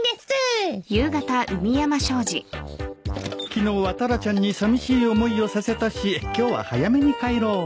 昨日はタラちゃんにさみしい思いをさせたし今日は早めに帰ろう